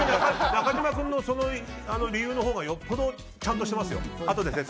中島君の理由のほうがよっぽどちゃんとしていますよ。